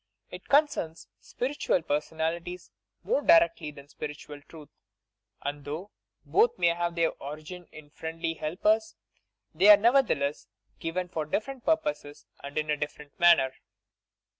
It concerns spiritual per sonalities more directly than spiritual truth, and though both may have their origin in friendly helpers, they are nevertheless given for different purposes and in a dif ferent manner.